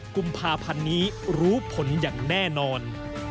กุมภาพันธ์นี้รู้ผลอย่างแน่นอน